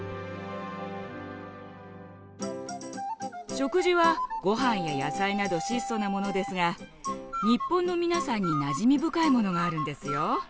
食事はごはんや野菜など質素なものですが日本の皆さんになじみ深いものがあるんですよ。